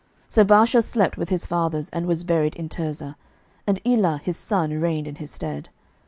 11:016:006 So Baasha slept with his fathers, and was buried in Tirzah: and Elah his son reigned in his stead.